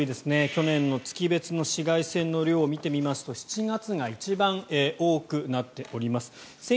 去年の月別の紫外線の量を見てみますと７月が一番多くなっています。